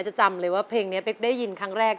จะจำเลยว่าเพลงนี้เป๊กได้ยินครั้งแรก